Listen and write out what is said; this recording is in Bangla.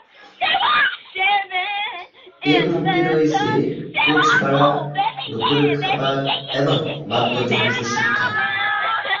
এর মধ্যে রয়েছে কোচ ভাড়া, দুপুরের খাবার এবং বাদ্যযন্ত্র শিক্ষা।